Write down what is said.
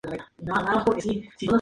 Nunca más volvió a verlo.